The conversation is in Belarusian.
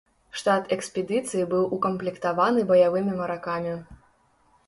Штат экспедыцыі быў укамплектаваны баявымі маракамі.